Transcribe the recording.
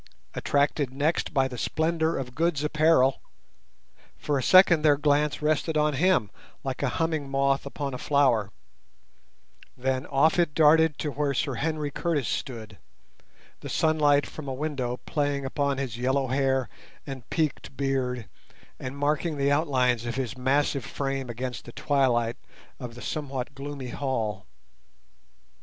Attracted next by the splendour of Good's apparel, for a second their glance rested on him like a humming moth upon a flower, then off it darted to where Sir Henry Curtis stood, the sunlight from a window playing upon his yellow hair and peaked beard, and marking the outlines of his massive frame against the twilight of the somewhat gloomy hall.